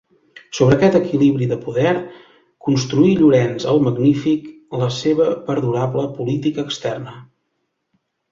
Sobre aquest equilibri de poder construir Llorenç el Magnífic la seva perdurable política externa.